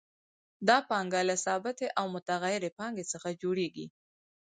دا پانګه له ثابتې او متغیرې پانګې څخه جوړېږي